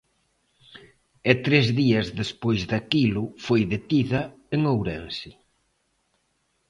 E tres días despois daquilo foi detida en Ourense.